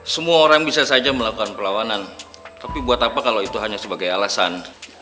semua orang bisa saja melakukan perlawanan tapi buat apa kalau itu hanya sebagai alasan